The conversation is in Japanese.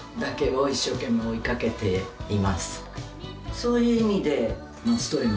そういう意味で。